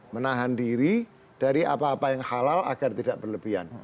menahan diri dari apa apa yang halal agar tidak berlebihan